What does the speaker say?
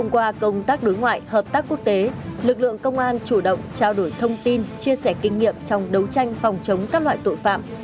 qua công tác đối ngoại hợp tác quốc tế lực lượng công an chủ động trao đổi thông tin chia sẻ kinh nghiệm trong đấu tranh phòng chống các loại tội phạm